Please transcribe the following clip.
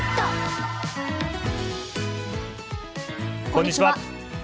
こんにちは。